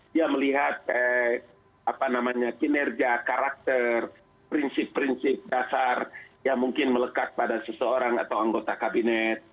dia melihat kinerja karakter prinsip prinsip dasar yang mungkin melekat pada seseorang atau anggota kabinet